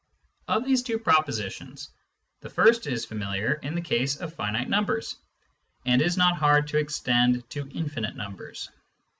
Of these two propositions, the first is familiar in the case of finite numbers, and is not hard to extend to infinite numbers.